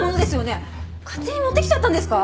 勝手に持ってきちゃったんですか！？